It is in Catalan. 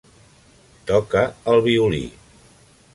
Toca el violí.